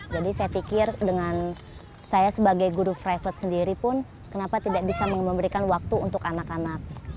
jadi saya pikir dengan saya sebagai guru private sendiri pun kenapa tidak bisa memberikan waktu untuk anak anak